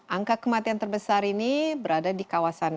angka kematian terbesar ini berada di kawasan